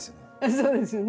そうですよね。